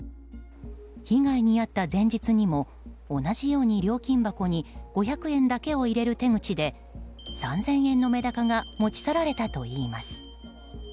被害に遭った前日にも同じように料金箱に５００円だけを入れる手口で３０００円のメダカが持ち去られたといいます。